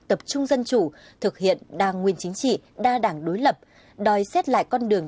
tập trung dân chủ thực hiện đa nguyên chính trị đa đảng đối lập đòi xét lại con đường